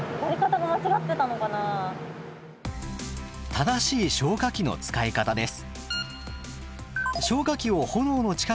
正しい消火器の使い方です。